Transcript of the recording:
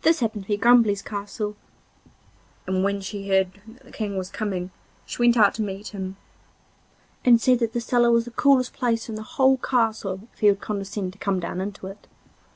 This happened to be the Duchess Grumbly's castle, and when she heard that the King was coming she went out to meet him, and said that the cellar was the coolest place in the whole castle if he would condescend to come down into it.